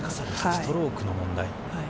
ストロークの問題？